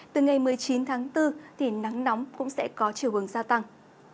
từ ngày một mươi chín tháng bốn thì nắng nóng cũng sẽ có chiều hướng gia tăng